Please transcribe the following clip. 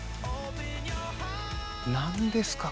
何ですか？